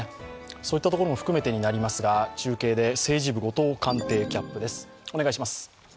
そういったところも含めてになりますが、中継で政治部、後藤官邸キャップです。